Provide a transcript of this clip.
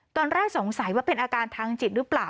ตอนแรกสงสัยว่าเป็นอาการทางจิตหรือเปล่า